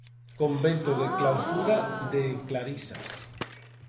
Convento de clausura de Clarisas.